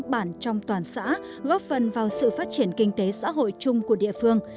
bản trong toàn xã góp phần vào sự phát triển kinh tế xã hội chung của địa phương